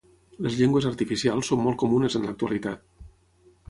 Les llengües artificials són molt comunes en l'actualitat.